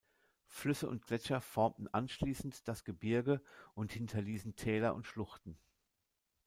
Flüsse und Gletscher formten anschließend das Gebirge und hinterließen Täler und Schluchten.